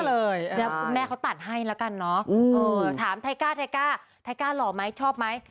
แล้วคุณแม่เขาตัดให้แล้วกันเนอะถามไทก้าไทก้าไทก้าหล่อไหมชอบไหม